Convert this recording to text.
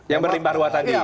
yang berlimpah ruang tadi